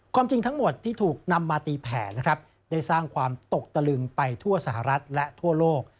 จริงทั้งหมดที่ถูกนำมาตีแผนนะครับได้สร้างความตกตะลึงไปทั่วสหรัฐและทั่วโลก